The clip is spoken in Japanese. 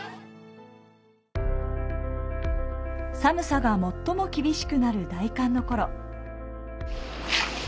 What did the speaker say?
寒さが最も厳しくなる大寒のころ。